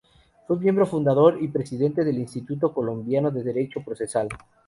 Fue miembro fundador y Presidente del Instituto Colombiano de Derecho Procesal.